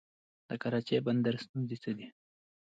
د کراچۍ بندر ستونزې څه دي؟